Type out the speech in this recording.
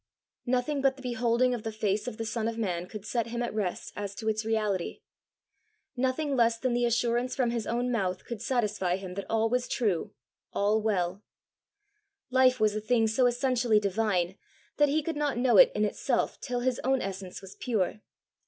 Nothing but the beholding of the face of the Son of Man could set him at rest as to its reality; nothing less than the assurance from his own mouth could satisfy him that all was true, all well: life was a thing so essentially divine, that he could not know it in itself till his own essence was pure!